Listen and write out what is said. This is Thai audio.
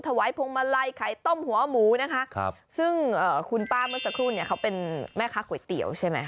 ถวายพวงมาลัยไข่ต้มหัวหมูนะคะครับซึ่งเอ่อคุณป้าเมื่อสักครู่เนี่ยเขาเป็นแม่ค้าก๋วยเตี๋ยวใช่ไหม